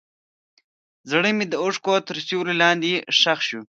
زړه مې د اوښکو تر سیوري لاندې ښخ شو.